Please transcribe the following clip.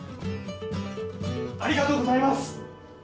ありがとうございます！